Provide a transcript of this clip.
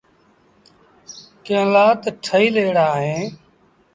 ڪݩهݩ لآ تا ٺهيٚل ايڙآ اوهيݩ۔